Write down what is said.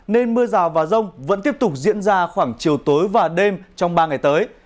nên mưa rào và rông vẫn tiếp tục diễn ra khoảng chiều tối và đêm trong ba ngày tới